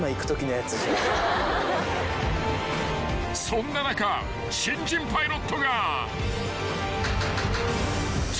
［そんな中新人パイロットが］